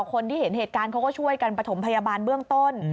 คนที่เห็นเหตุการณ์เขาก็ช่วยกันประถมพยาบาลเบื้องต้น